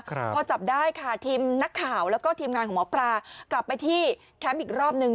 พอจับได้ค่ะทีมนักข่าวแล้วก็ทีมงานของหมอปลากลับไปที่แคมป์อีกรอบหนึ่ง